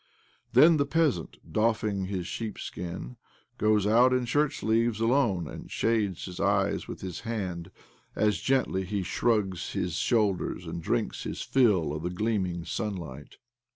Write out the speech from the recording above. Then the peasant, doffing his sheepskin, goes out in shirtsleeves alone, and shades his eyes with' his hand as gladly he shrugs his shoulders and drinks his fill of the gleaming sunlight.